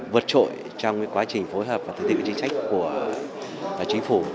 vượt trội trong quá trình phối hợp và thực hiện chính trách của chính phủ